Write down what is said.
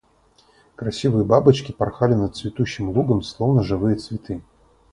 Красивые бабочки порхали над цветущим лугом, словно живые цветы.